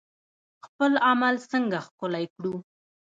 خپل عمل څنګه ښکلی کړو؟